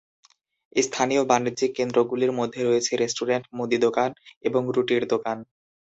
স্থানীয় বাণিজ্যিক কেন্দ্রগুলির মধ্যে রয়েছে রেস্টুরেন্ট, মুদি দোকান এবং রুটির দোকান।